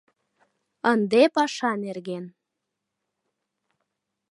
Ынде паша нерген.